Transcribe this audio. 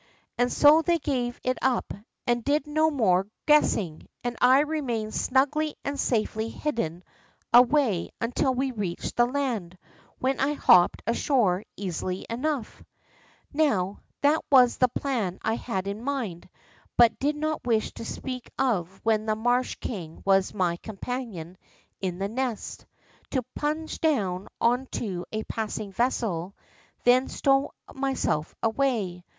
And so they gave it up, and did no more guessing, and I remained snugly and safely hidden away until we reached the land, when I hopped ashore easily enough. THE GREEN FROG 95 ]^ow, that was the plan I had in mind but did not wish to speak of when' the marsh king was my companion in the nest: To plunge down on to a passing vessel, then stow myself away.